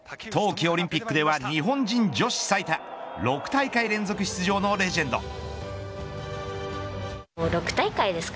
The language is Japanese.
冬季オリンピックでは日本人女子最多６大会連続出場のレジェンド。